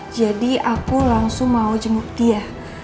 jadi aku langsung mau jemput dia